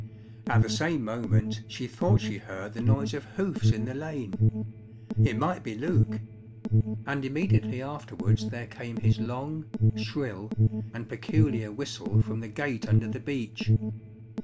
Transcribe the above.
At the same moment she thought she heard the noise of hoofs in the lane it might be Luke and immediately afterwards there came his long, shrill, and peculiar whistle from the gate under the beech.